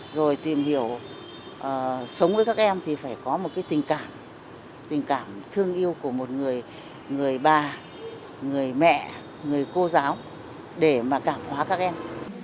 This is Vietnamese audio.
rồi tìm hiểu sống với các em thì phải có một cái tình cảm tình cảm thương yêu của một người bà người mẹ người cô giáo để mà cảm hóa các em